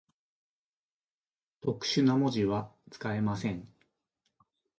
特殊な文字は、使えません。